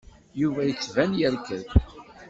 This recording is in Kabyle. Yuba yettban yerked.